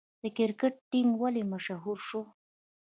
د کرکټ ټیم ولې مشهور شو؟